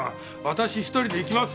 私１人で行きます。